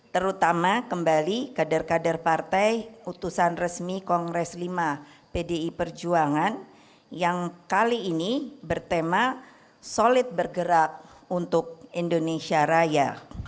terutama kembali kader kader partai utusan resmi kongres lima pdi perjuangan yang kali ini bertema solid bergerak untuk indonesia raya